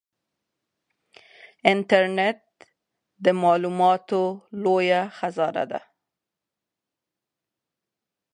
انټرنیټ د معلوماتو لویه خزانه ده.